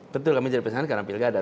betul kami jadi pasangan karena pilgada